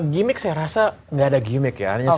gimmick saya rasa enggak ada gimmick ya